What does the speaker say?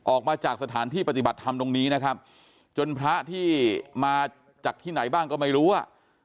ออกมาจากสถานที่ปฏิบัติธรรมตรงนี้นะครับจนพระที่มาจากที่ไหนบ้างก็ไม่รู้อ่ะ